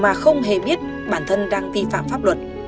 mà không hề biết bản thân đang vi phạm pháp luật